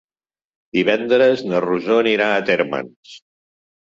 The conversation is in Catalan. Divendres na Rosó anirà a Térmens.